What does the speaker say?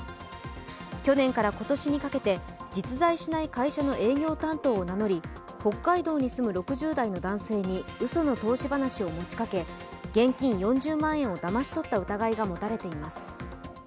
去年から今年にかけて、実在しない会社の営業担当を名乗り北海道に住む６０代の男性にうその投資話を持ちかけ現金４０万円をだまし取った疑いが持たれています。